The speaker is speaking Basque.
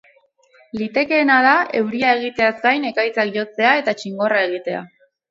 Litekeena da, euria egiteaz gain, ekaitzak jotzea eta txingorra egitea.